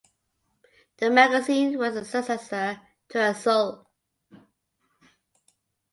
The magazine was the successor to "Azul".